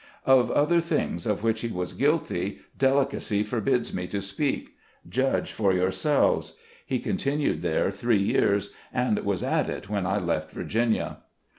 Of other things of which he was guilty, delicacy forbids me to speak; judge for yourselves. He continued there three years, and was at it when I left Virginia.